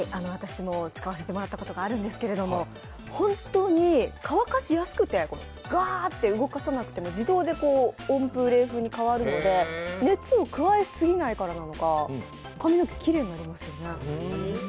私も使わせてもらったことがあるんですけれども、本当に乾かしやすくて、ガーって動かさなくても自動で温風・冷風に変わるので、熱を加えすぎないからなのか、髪の毛きれいになりますよね。